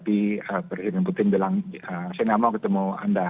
presiden putin bilang saya tidak mau ketemu anda